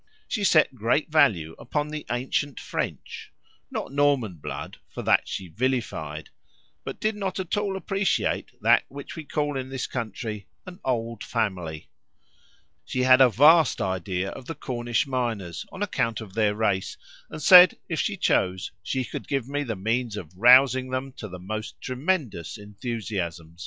She set great value upon the ancient French (not Norman blood, for that she vilified), but did not at all appreciate that which we call in this country "an old family." She had a vast idea of the Cornish miners on account of their race, and said, if she chose, she could give me the means of rousing them to the most tremendous enthusiasm.